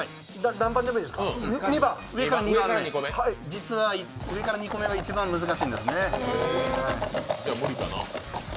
実は上から２個目が一番難しいんですね。